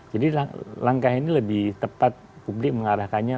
jadi langkah ini lebih tepat publik mengarahkannya